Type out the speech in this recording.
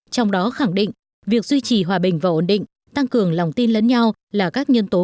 trong đó khẳng định việc duy trì hòa bình và ổn định tăng cường lòng tin lẫn nhau là các nhân tố